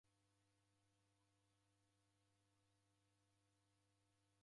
Midi idareda vua.